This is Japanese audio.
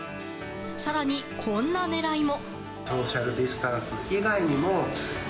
更に、こんな狙いも。